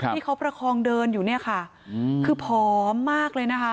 ที่เขาประคองเดินอยู่เนี่ยค่ะคือผอมมากเลยนะคะ